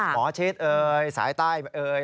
หมอชิดเอ่ยสายใต้เอ่ย